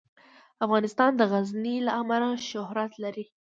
افغانستان د غزني له امله شهرت لري.